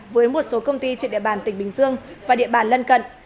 với một số công ty trên địa bàn tỉnh bình dương và địa bàn lân cận